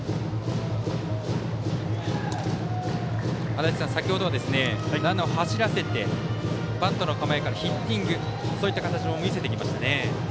足達さん、先程はランナーを走らせてバントの構えからヒッティングそういった形も見せてきましたね。